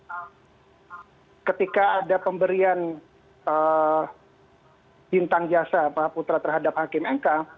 dan ketika ada pemberian bintang jasa pak putra terhadap hakim mk